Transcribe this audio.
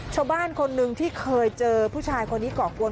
ชาวบ้านคนหนึ่งที่เคยเจอผู้ชายคนนี้ก่อกวน